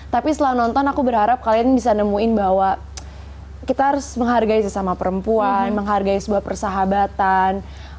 tapi setelah nonton aku berharap kalian bisa nemuin bahwa kita harus menghargai sesama perempuan menghargai sebuah persahabatan